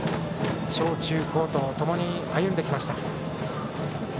小中高とともに歩んできました。